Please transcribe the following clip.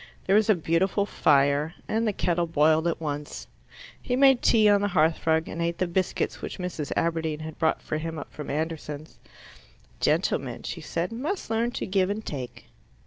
There was a beautiful fire, and the kettle boiled at once. He made tea on the hearth rug and ate the biscuits which Mrs. Aberdeen had brought for him up from Anderson's. "Gentlemen," she said, "must learn to give and take."